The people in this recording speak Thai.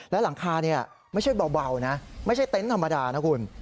และหลังคาไม่ใช่เบานะไม่ใช่เต็นต์ธรรมดานะคุณ